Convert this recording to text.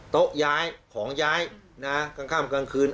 โต๊ะย้ายของย้ายนะกลางค่ำกลางคืน